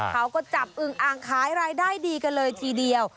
เขาก็จับอึงอ่างขายรายได้ดีกันเลยทีเดียว